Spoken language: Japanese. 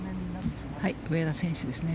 上田選手ですね。